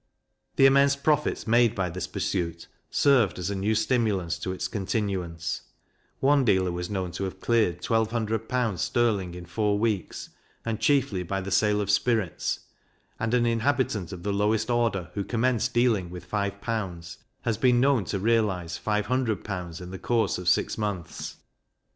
The immense profits made by this pursuit served as a new stimulus to its continuance: One dealer was known to have cleared twelve hundred pounds sterling in four weeks, and chiefly by the sale of spirits; and an inhabitant of the lowest order, who commenced dealing with five pounds, has been known to realize five hundred pounds in the course of six months.